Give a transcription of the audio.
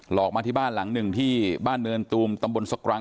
อกมาที่บ้านหลังหนึ่งที่บ้านเนินตูมตำบลสกรัง